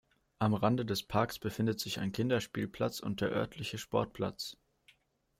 Am Rande des Parks befindet sich ein Kinderspielplatz und der örtliche Sportplatz.